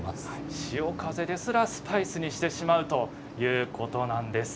潮風すらもスパイスにしてしまうということなんです。